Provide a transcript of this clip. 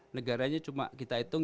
negaranya cuma kita hitung